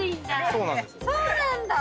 そうなんだ！